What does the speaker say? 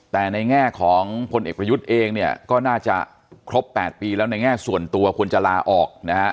แต่ในแง่ของพลเอกประยุทธ์เองเนี่ยก็น่าจะครบ๘ปีแล้วในแง่ส่วนตัวควรจะลาออกนะฮะ